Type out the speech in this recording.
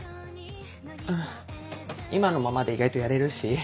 うん今のままで意外とやれるし。